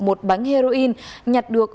một bánh heroin nhặt được